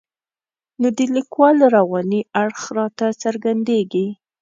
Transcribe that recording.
نو د لیکوال رواني اړخ راته څرګندېږي.